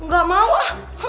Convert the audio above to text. gak mau ah